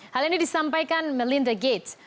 hal ini disampaikan melinda gates